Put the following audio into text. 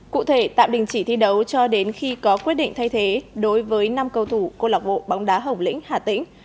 cụ thể tạm đình chỉ thi đấu cho đến khi có quyết định thay thế đối với năm cầu thủ cô lọc bộ bóng đá hồng lĩnh hà tĩnh